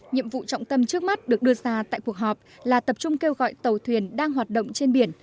nhiệm vụ trọng tâm trước mắt được đưa ra tại cuộc họp là tập trung kêu gọi tàu thuyền đang hoạt động trên biển